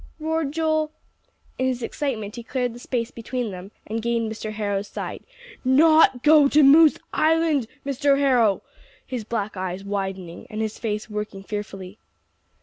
_" roared Joel. In his excitement he cleared the space between them, and gained Mr. Harrow's side. "Not go to Moose Island, Mr. Harrow?" his black eyes widening, and his face working fearfully.